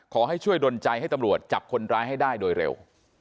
ขอให้ช่วยดนใจให้ตำรวจจับคนร้ายให้ได้โดยเร็ว